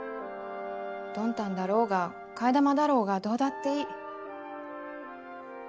ドンタンだろうが替え玉だろうがどうだっていい。